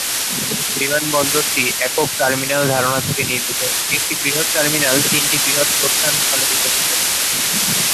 বিমানবন্দরটি একক-টার্মিনাল ধারণা থেকে নির্মিত: একটি বৃহত টার্মিনাল তিনটি বৃহত প্রস্থান হলে বিভক্ত।